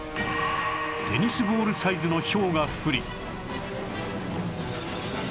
テニスボールサイズのひょうが降り